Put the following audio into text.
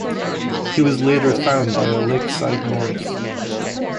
He was later found by a Lakeside nurse.